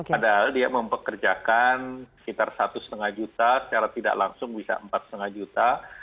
padahal dia mempekerjakan sekitar satu lima juta secara tidak langsung bisa empat lima juta